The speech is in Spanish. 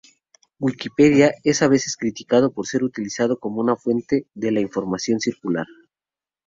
Wikipedia es a veces criticado por ser utilizado como fuente de la información circular.